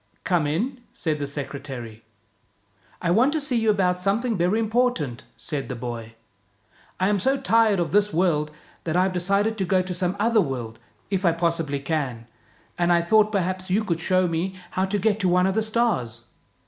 " Come in," said the secretary. "I want to see you about something very impor tant," said the boy. " I am so tired of this world that I have decided to go to some other world, if I possibly can, and I thought perhaps you could show me how to get to one of the stars.